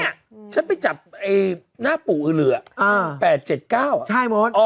เพราะเนี่ยฉันไปจับไอ้หน้าปู่อื่นอ่ะ